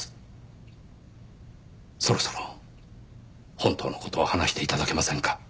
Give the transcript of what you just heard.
そろそろ本当の事を話して頂けませんか？